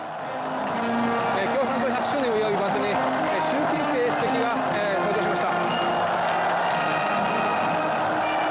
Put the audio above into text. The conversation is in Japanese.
共産党１００周年を祝うイベントに習近平主席が登場しました。